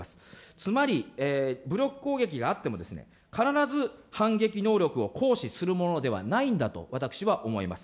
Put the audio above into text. つまり武力攻撃があっても、必ず反撃能力を行使するものではないんだと、私は思います。